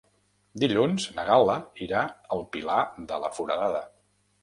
Dilluns na Gal·la irà al Pilar de la Foradada.